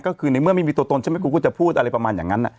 ก็คือในเมื่อไม่มีตัวตนใช่ไหมกูก็จะพูดอะไรประมาณอย่างนั้น